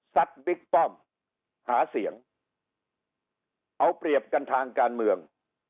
บิ๊กป้อมหาเสียงเอาเปรียบกันทางการเมือง